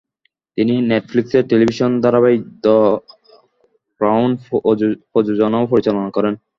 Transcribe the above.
তিনি নেটফ্লিক্সের টেলিভিশন ধারাবাহিক দ্য ক্রাউন প্রযোজনা ও পরিচালনা করেন।